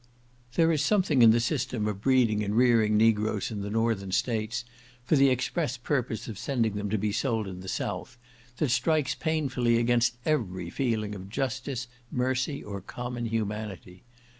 There is something in the system of breeding and rearing negroes in the Northern States, for the express purpose of sending them to be sold in the South, that strikes painfully against every feeling of justice, mercy, or common humanity.